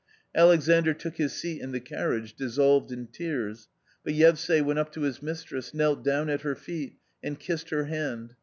Alexandr took his seat in the carriage dissolved in tears, but Yevsay went up to his mistress, knelt down at her feet and kissed her hand.